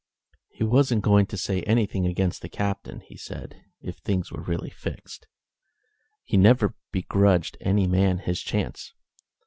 "He wasn't going to say anything against the Captain," he said, "if things were really fixed. He never begrudged any man his chance."